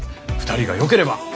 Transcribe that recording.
二人がよければ。